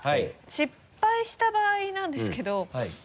失敗した場合なんですけど。